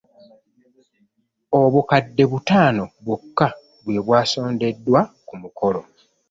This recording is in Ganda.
Obukadde butaano bwokka bwe bwasondeddwa ku mukolo.